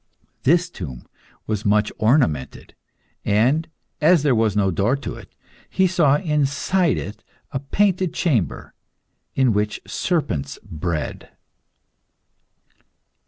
This tomb was much ornamented, and, as there was no door to it, he saw inside it a painted chamber, in which serpents bred.